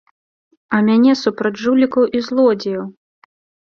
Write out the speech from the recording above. А мяне супраць жулікаў і злодзеяў!